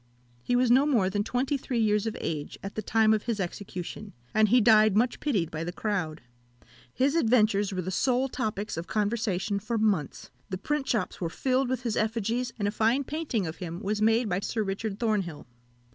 He was no more than twenty three years of age at the time of his execution, and he died much pitied by the crowd. His adventures were the sole topics of conversation for months; the print shops were filled with his effigies, and a fine painting of him was made by Sir Richard Thornhill.